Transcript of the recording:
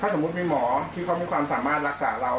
สมมุติมีหมอที่เขามีความสามารถรักษาเรา